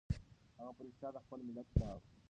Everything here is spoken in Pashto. هغه په رښتیا د خپل ملت پلار و.